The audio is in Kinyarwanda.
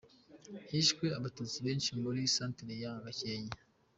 Hishwe Abatutsi benshi muri Centre ya Gakenke;.